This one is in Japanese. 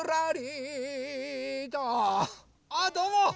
ああどうも。